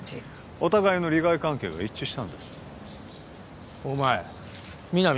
お互いの利害関係が一致したんですお前皆実